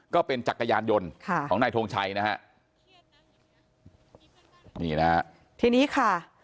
จักรยานยนต์ค่ะของนายทงชัยนะฮะนี่นะฮะทีนี้ค่ะ